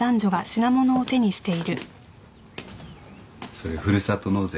それふるさと納税